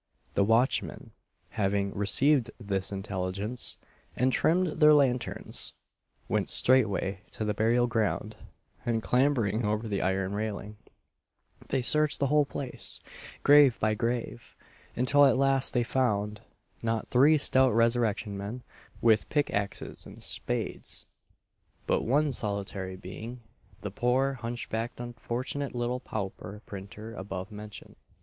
The watchmen, having received this intelligence, and trimmed their lanterns, went straightway to the burial ground, and clambering over the iron railing, they searched the whole place, grave by grave, until at last they found not three stout resurrection men, with pick axes and spades; but one solitary being the poor hunchbacked unfortunate little pauper printer above mentioned.